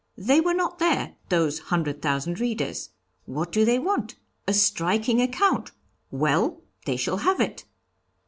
They were not there, those hundred thousand readers. What do they want? A striking account well! they shall have it!'